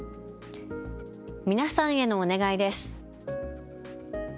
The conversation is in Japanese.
皆さんへのお願いです。